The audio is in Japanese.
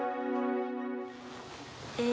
え